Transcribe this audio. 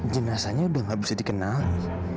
jenasanya udah gak bisa dikenali